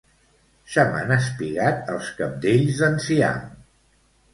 Se m'han espigat els cabdells d'enciam